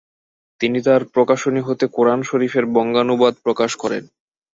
তিনি তার প্রকাশনী হতে কোরান শরীফের বঙ্গানুবাদ প্রকাশ করেন।